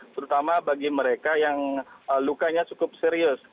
terutama bagi mereka yang lukanya cukup serius